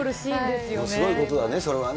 すごいことだね、それはね。